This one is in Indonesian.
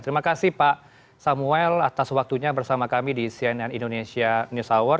terima kasih pak samuel atas waktunya bersama kami di cnn indonesia news hour